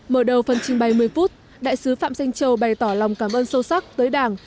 mở đầu phần trình bày một mươi phút đại sứ phạm danh châu bày tỏ lòng cảm ơn sâu sắc tới đảng